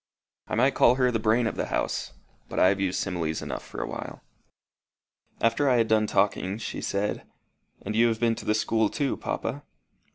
I might call her the brain of the house; but I have used similes enough for a while. After I had done talking, she said "And you have been to the school too, papa?"